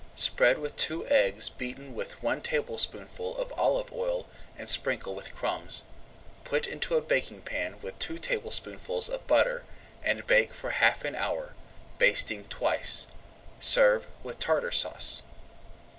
Spread with two eggs beaten with one tablespoonful of olive oil and sprinkle with crumbs. Put into a baking pan with two tablespoonfuls [Page 129] of butter, and bake for half an hour, basting twice. Serve with Tartar Sauce.